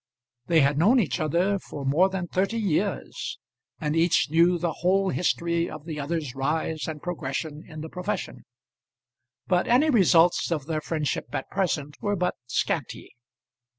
They had known each other for more than thirty years, and each knew the whole history of the other's rise and progress in the profession; but any results of their friendship at present were but scanty.